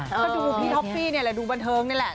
ก็ดูพี่ท็อฟฟี่นี่แหละดูบันเทิงนี่แหละ